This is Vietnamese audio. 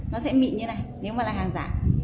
nó sẽ mịn như thế này nếu mà là hàng giả